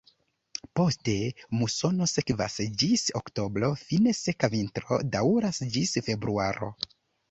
Poste musono sekvas ĝis oktobro, fine seka vintro daŭras ĝis februaro.